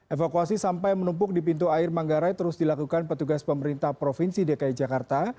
evakuasi sampah yang menumpuk di pintu air manggarai terus dilakukan petugas pemerintah provinsi dki jakarta